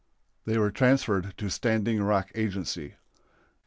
They were transferred to Standing Rock Agency.